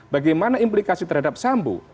bagaimana implikasi terhadap sambu